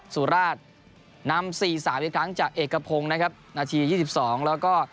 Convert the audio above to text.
สุราชนำสี่สามอีกครั้งจากเอกพรงนะครับนาทียี่สิบสองแล้วก็